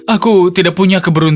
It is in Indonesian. aku tidak punya kebenaran